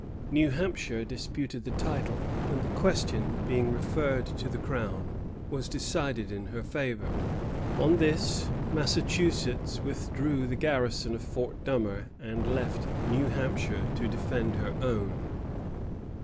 New Hampshire disputed the title, and the question, being referred to the Crown, was decided in her favor. On this, Massachusetts withdrew the garrison of Fort Dummer and left New Hampshire to defend her own.